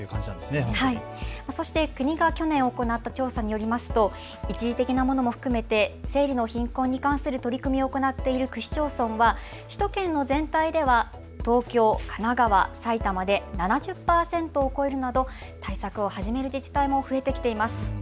そして国が去年行った調査によりますと一時的なものも含めて生理の貧困に関する取り組みを行っている区市町村は首都圏全体では東京、神奈川、埼玉で７０％を超えるなど対策を始める自治体も増えてきています。